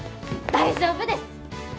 大丈夫です！